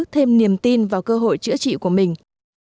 thêm niềm tin vào cơ hội chữa trị của mình